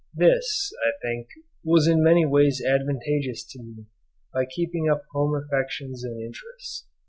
This, I think, was in many ways advantageous to me by keeping up home affections and interests.